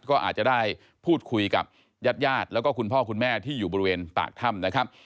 ก็อาจจะได้พูดคุยกับญาติญาติแล้วก็คุณพ่อคุณแม่ที่อยู่บริเวณปากถ้ำนะครับ